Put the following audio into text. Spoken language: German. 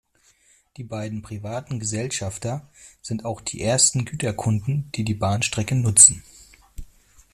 Die beiden privaten Gesellschafter sind auch die ersten Güterkunden, die die Bahnstrecke nutzen.